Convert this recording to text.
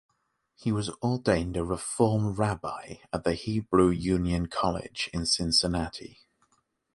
He was ordained a Reform rabbi at the Hebrew Union College at Cincinnati.